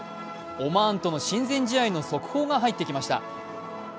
オマーンとの親善試合の速報が入ってきました。